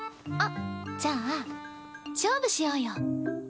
あっじゃあ勝負しようよ。